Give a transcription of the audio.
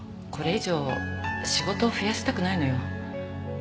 これ以上仕事を増やしたくないのよ。